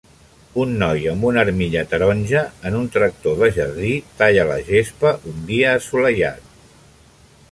Un noi amb una armilla taronja en un tractor de jardí, talla la gespa un dia assolellat.